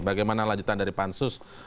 bagaimana lanjutan dari pansus